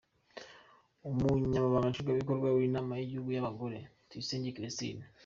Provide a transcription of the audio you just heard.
Umunyamabanga nshingwabikorwa w’Inama y’Igihugu y’Abagore, Tuyisenge Christine, .